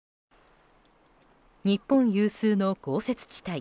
日本有数の豪雪地帯